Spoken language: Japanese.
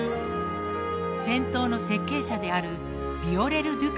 尖塔の設計者であるビオレ・ル・